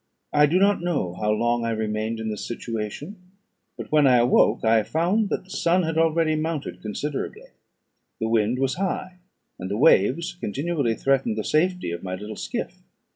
I do not know how long I remained in this situation, but when I awoke I found that the sun had already mounted considerably. The wind was high, and the waves continually threatened the safety of my little skiff.